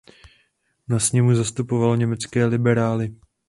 Na sněmu zastupoval německé liberály.